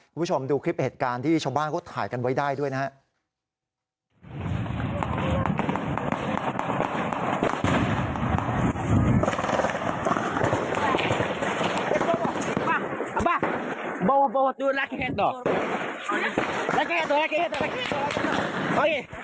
คุณผู้ชมดูคลิปเหตุการณ์ที่ชาวบ้านเขาถ่ายกันไว้ได้ด้วยนะครับ